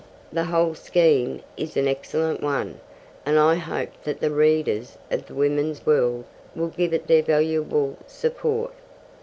The whole scheme is an excellent one, and I hope that the readers of the Woman's World will give it their valuable support.